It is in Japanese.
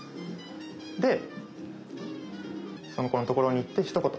でその子のところに行ってひと言。